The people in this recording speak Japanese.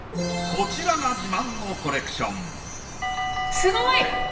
こちらが自慢のコレクションすごい！